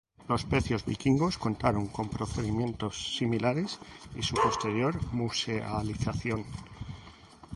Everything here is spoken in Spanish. Los pecios vikingos contaron con procedimientos similares y su posterior musealización.